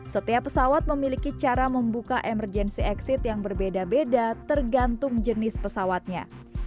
setiap pesawat memiliki cara membuka emergency exit yang berbeda beda tergantung jenis pesawatnya